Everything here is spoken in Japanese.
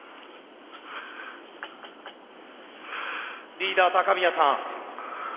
リーダー高宮さん。